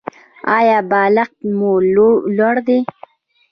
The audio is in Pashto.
ایا بالښت مو لوړ دی؟